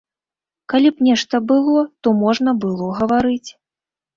Калі б нешта было, то можна было гаварыць.